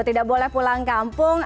tidak boleh pulang kampung